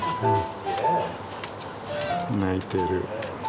鳴いてる。